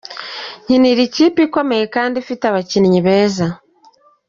Nkinira ikipe ikomeye kandi ifite abakinnyi beza.